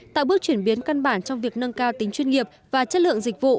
tạo bước chuyển biến căn bản trong việc nâng cao tính chuyên nghiệp và chất lượng dịch vụ